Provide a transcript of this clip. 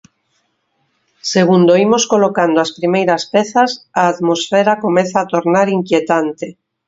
Segundo imos colocando as primeiras pezas, a atmosfera comeza a tornar inquietante.